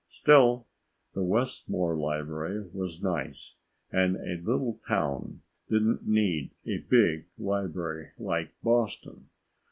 Still, the Westmore library was nice, and a little town didn't need a big library like Boston.